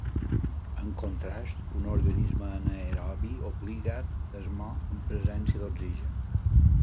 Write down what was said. En contrast, un organisme anaerobi obligat es mor en presència d'oxigen.